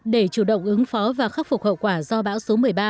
để chủ động ứng phó và khắc phục hậu quả do bão số một mươi ba